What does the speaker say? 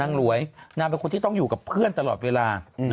หลวยนางเป็นคนที่ต้องอยู่กับเพื่อนตลอดเวลา